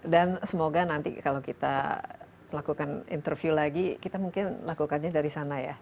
dan semoga nanti kalau kita lakukan interview lagi kita mungkin lakukannya dari sana ya